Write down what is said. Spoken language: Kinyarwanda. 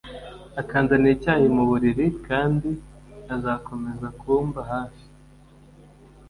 akanzanira icyayi mu buriri kandi azakomeza kumba hafi